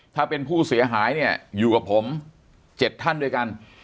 ถ้าเป็นผู้เสียหายเนี่ยอยู่กับผม๗ท่านด้วยกัน